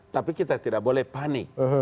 tapi kita tidak boleh panik